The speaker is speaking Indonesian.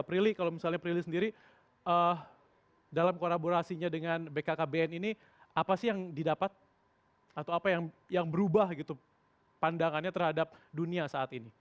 prilly kalau misalnya prilly sendiri dalam kolaborasinya dengan bkkbn ini apa sih yang didapat atau apa yang berubah gitu pandangannya terhadap dunia saat ini